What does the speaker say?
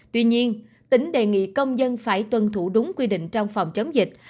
tuy nhiên tỉnh đề nghị công dân phải tuân thủ đúng quy định trong phòng chống dịch